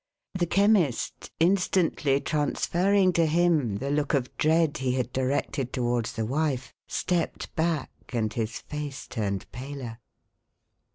The Chemist, instantly transferring to him the look of dread he had directed towards the wife, stepped back, and his face turned paler.